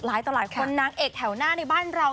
ต่อหลายคนนางเอกแถวหน้าในบ้านเรา